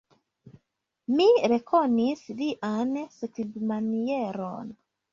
Mi rekonis lian skribmanieron.